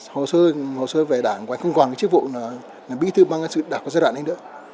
hồ sơ về đảng của anh không còn cái chức vụ là bí thư ban cán sự đảng có giai đoạn ấy nữa